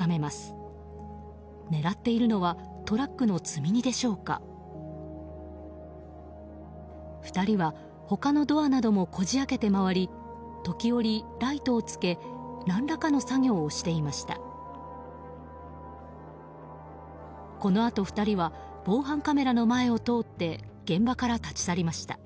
このあと２人は防犯カメラの前を通って現場から立ち去りました。